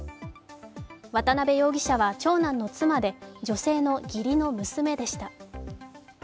渡辺容疑者は長男の妻で、女性の義理の娘でした。